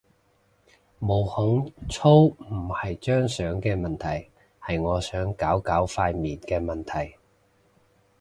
毛孔粗唔係張相嘅問題，係我想搞搞塊面嘅問題